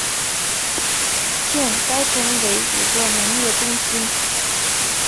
现该城为一个农业中心。